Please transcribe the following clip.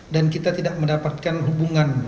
dan kita tidak mendapatkan hubungan